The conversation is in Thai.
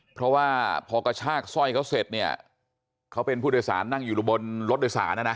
เพราะว่าพอกระชากสร้อยเขาเสร็จเนี่ยเขาเป็นผู้โดยสารนั่งอยู่บนรถโดยสารนะนะ